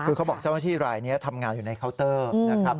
คือเขาบอกเจ้าหน้าที่รายนี้ทำงานอยู่ในเคาน์เตอร์นะครับ